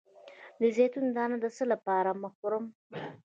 د زیتون دانه د څه لپاره مه خورم؟